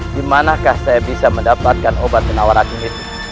dimanakah saya bisa mendapatkan obat penawar racun itu